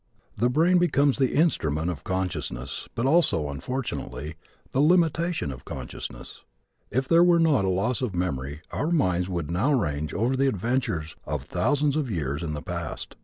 The brain becomes the instrument of consciousness but also, fortunately, the limitation of consciousness. If there were not loss of memory our minds would now range over the adventures of thousands of years in the past.